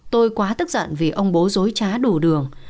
tôi quá tức giận vì ông bố dối trá đủ đường